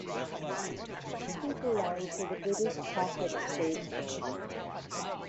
She belonged to the British Catholic Stage Guild.